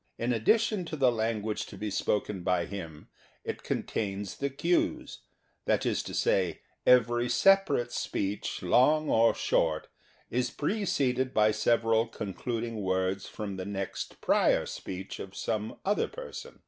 In addition to the language to be spoken by him it con tains the cues ŌĆö that is to say, every separate speech, long or short, is pre ceded by several concluding words from the next prior speech of some other person.